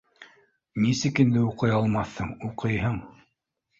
— Нисек инде уҡый алмаҫһың? Уҡыйһың.